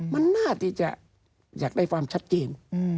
มันน่าที่จะอยากได้ความชัดเจน